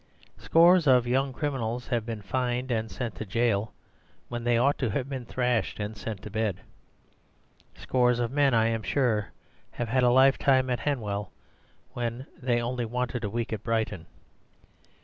Scores of young criminals have been fined and sent to jail when they ought to have been thrashed and sent to bed. Scores of men, I am sure, have had a lifetime at Hanwell when they only wanted a week at Brighton.